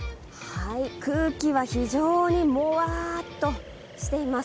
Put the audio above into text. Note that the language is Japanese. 空気は非常にもわっとしています。